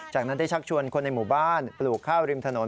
จากนั้นได้ชักชวนคนในหมู่บ้านปลูกข้าวริมถนน